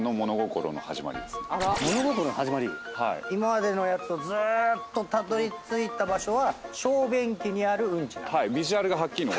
今までのやつをずーっとたどりついた場所は小便器にあるうんちなんだ？